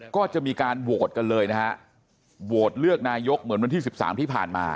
ก็จะมีการโหวตกันเลยนะฮะโหวตเลือกนายกเหมือนวันที่๑๓ที่ผ่านมา